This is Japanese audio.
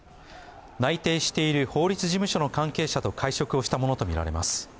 内定している法律事務所の関係者と会食したものとみられます。